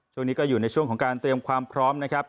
ช่วงนี้ก็อยู่ในช่วงของการเตรียมความพร้อมนะครับ